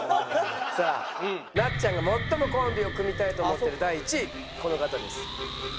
さあなっちゃんが最もコンビを組みたいと思ってる第１位この方です。